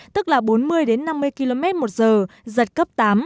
tức là bốn mươi năm mươi km một giờ giật cấp tám